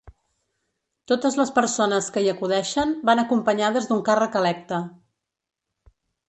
Totes les persones que hi acudeixen van acompanyades d’un càrrec electe.